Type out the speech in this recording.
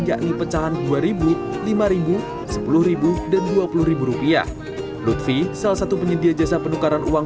yakni pecahan dua ribu lima sepuluh dan dua puluh rupiah lutfi salah satu penyedia jasa penukaran uang